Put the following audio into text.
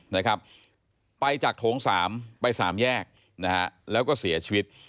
นะครับไปจากโถงสามไปสามแยกนะฮะแล้วก็เสียชีวิต